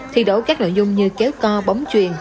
thi đấu các nội dung như kéo co bóng chuyền